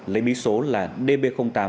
lấy mí số là db tám